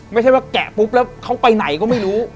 ไม่ใช่ว่าแกะปุ๊บแล้วเขาไปไหนก็ไม่รู้